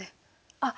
あっ！